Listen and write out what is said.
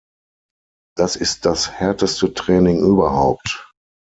Das ist das härteste Training überhaupt“.